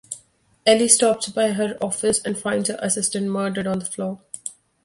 Ellie stops by her office and finds her assistant murdered on the floor.